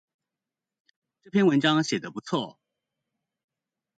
這篇文章寫的不錯